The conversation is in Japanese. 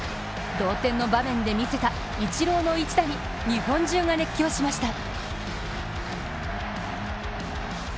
同点の場面で見せたイチローの一打に日本中が熱狂しました。